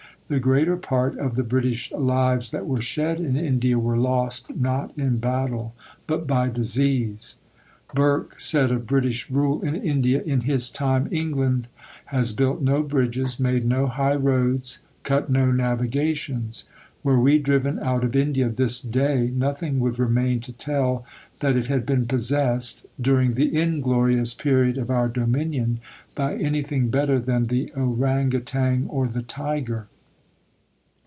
The greater part of the British lives that were shed in India were lost, not in battle, but by disease. Burke said of British rule in India in his time: "England has built no bridges, made no high roads, cut no navigations. Were we driven out of India this day, nothing would remain to tell that it had been possessed, during the inglorious period of our dominion, by anything better than the ourang outang or the tiger."